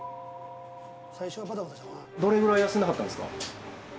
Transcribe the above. どれぐらい休んではったんですか？